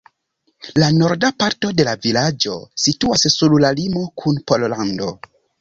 La norda parto de la vilaĝo situas sur la limo kun Pollando.